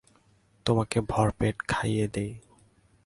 তোমাকে ভরপেট খাইয়ে দিই।